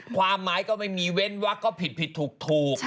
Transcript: ความหมายก็ไม่มีเว้นวักก็ผิดผิดถูก